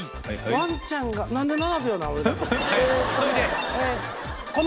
ワンちゃんが何で７秒なの？